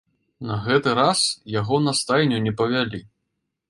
На гэты раз яго на стайню не павялі.